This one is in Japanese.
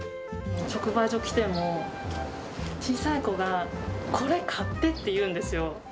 直売所来ても、小さい子が、これ買ってって言うんですよ。